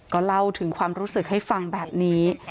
ก็เล่าถึงความรู้สึกให้ฟังแบบนี้